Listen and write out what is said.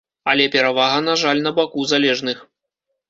Але перавага, на жаль, на баку залежных.